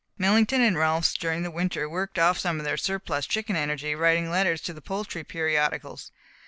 Millington and Rolfs, during the winter, worked off some of their surplus chicken energy writing letters to the poultry periodicals.